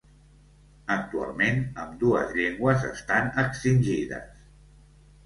Actualment, ambdues llengües estan extingides.